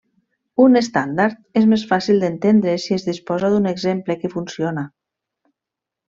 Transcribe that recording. Un estàndard és més fàcil d'entendre si es disposa d'un exemple que funciona.